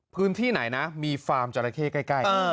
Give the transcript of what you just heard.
พื้นที่ไหนนะมีฟาร์มจราเข้ใกล้